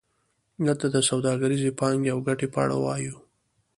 دلته د سوداګریزې پانګې او ګټې په اړه وایو